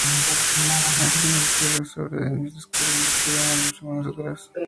Ángel investiga sobre Denise descubriendo que ella murió semanas atrás.